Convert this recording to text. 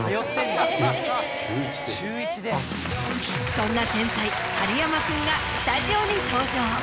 そんな天才春山君がスタジオに登場。